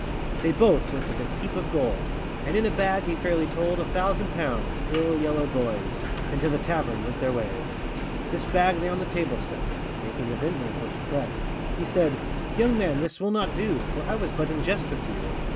They both went to this heap of gold, And in a bag he fairly told A thousand pounds, ill yellow boys, And to the tavern went their ways. This bag they on the table set, Making the vintner for to fret; He said, 'Young man! this will not do, For I was but in jest with you.